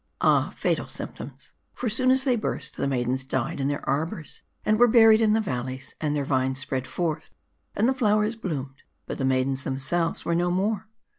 Ah! fatal symptoms. For soon as they burst, the maidens died in their arbors ; M A R D I. 325 and were buried in the valleys ; and their vines spread forth ; and the flowers bloomed ; but the maidens theniselves were no more.